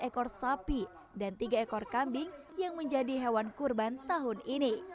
enam ekor sapi dan tiga ekor kambing yang menjadi hewan kurban tahun ini